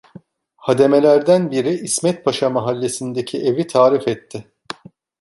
Hademelerden biri İsmetpaşa mahallesindeki evi tarif etti.